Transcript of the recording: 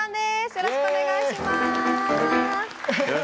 よろしくお願いします。